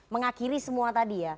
mengakhiri semua tadi ya